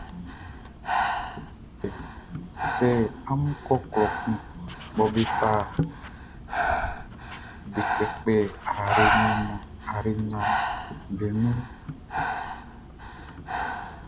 Sɛ amun kɔ klɔ kun mɔ be fa klenzua be kpɛkpɛ ayre nɲaʼm be nunʼn, amun yo cɛ.